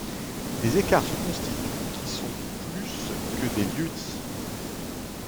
Des écarts se constituent qui sont plus que des lieux-dits.